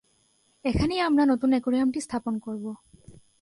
এখানেই আমরা নতুন অ্যাকোয়ারিয়ামটি স্থাপন করব।